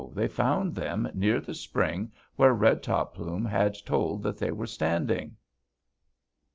they found them near the spring where Red Top Plume had told that they were standing."